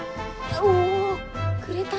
おお！くれたの？